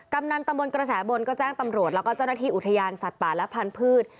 กำนันตำบลกระแสบนก็แจ้งตำรวจแล้วก็เจ้าหน้าที่อุทยานสัตว์ป่าและพันธุ์